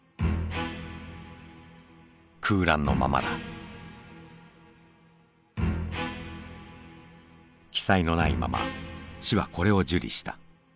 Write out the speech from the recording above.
空欄のままだ記載のないまま市はこれを受理した。